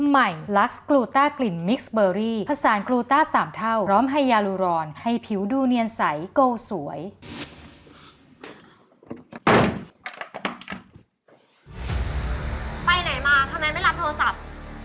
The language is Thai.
ไปไหนมาทำไมไม่รับโทรศัพท์